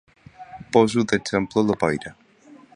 Poso d’exemple la boira.